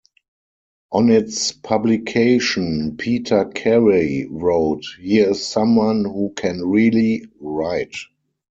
On its publication, Peter Carey wrote "Here is someone who can really write".